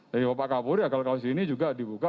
dari bapak kapolri agar kasus ini juga dibuka